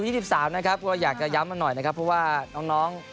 อยากจะย้ำหน่อยเพราะว่าน้อง